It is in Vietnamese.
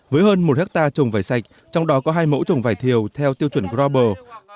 với hơn một hectare trồng vải sạch trong đó có hai mẫu trồng vải thiều theo tiêu chuẩn global